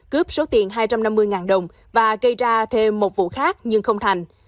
cướp số tiền hai trăm năm mươi đồng và gây ra thêm một vụ khác nhưng không thành